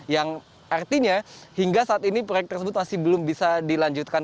yang artinya hingga saat ini proyek tersebut masih belum bisa dilanjutkan